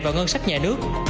vào ngân sách nhà nước